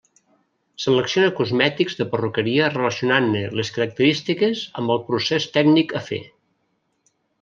Selecciona cosmètics de perruqueria relacionant-ne les característiques amb el procés tècnic a fer.